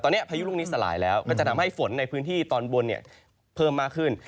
ตอนนี้พายุลูกนี้สลายแล้วก็จะทำให้ฝนในพื้นที่ตอนบนเพิ่มมากขึ้น